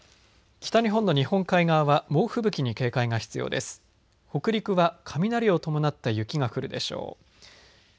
北日本の日本海側は猛吹雪に警戒が必要です。